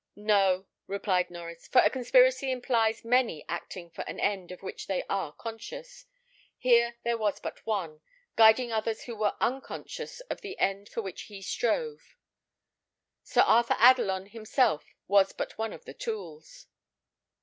"No," replied Norries, "for a conspiracy implies many acting for an end of which they are conscious. Here there was but one, guiding others who were unconscious of the end for which he strove. Sir Arthur Adelon, himself, was but one of the tools."